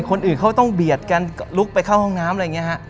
คนอื่นเขาต้องเบียดกันลุกไปเข้าห้องน้ำอะไรอย่างนี้ฮะ